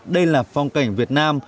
đây là phong cảnh việt nam